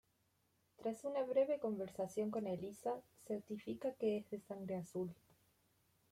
Tras una breve conversación con Eliza, certifica que es de sangre azul.